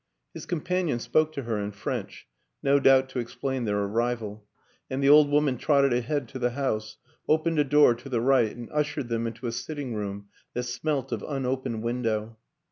His companion spoke to her in French, no doubt to explain their arrival; and the old woman trotted ahead to the house, opened a door to the right and ushered them into a sitting room that smelt of unopened window.